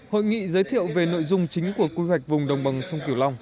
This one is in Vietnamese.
hội nghị giới thiệu về nội dung chính của quy hoạch vùng đồng bằng sông cửu long